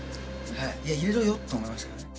いや入れろよって思いましたけどね。